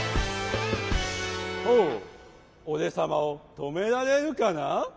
ほうおれさまをとめられるかな？